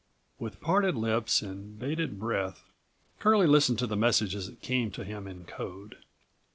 With parted lips and bated breath Curlie listened to the message as it came to him in code.